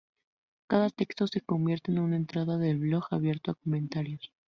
Cada texto se convierte en una entrada del blog abierto a comentarios.